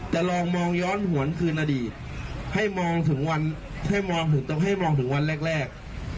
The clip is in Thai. แต่ลองมองย้อนหวนคืนนาดีให้มองถึงวันแรก